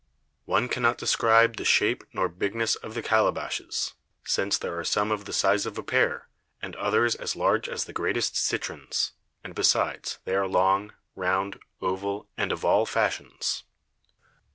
One cannot describe the Shape nor Bigness of Calebashes, since there are some of the Size of a Pear, and others as large as the greatest Citrons; and besides, there are long, round, oval, and of all Fashions.